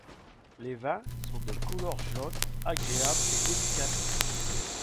Les vins sont de couleur jaune, agréable et délicate.